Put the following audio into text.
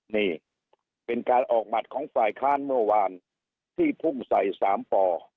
นี่เป็นการออกหมัดของฝ่ายค้านเมื่อวานที่พุ่งใส่๓ป